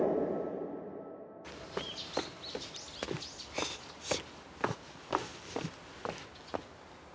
よいしょ。